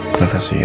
terima kasih ya